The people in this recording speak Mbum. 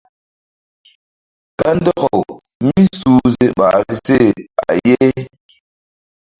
Kandɔkaw mísuhze ɓahri se a ye.